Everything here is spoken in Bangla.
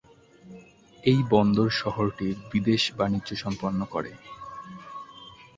এই বন্দর শহরটির বিদেশ বাণিজ্য সম্পন্ন করে।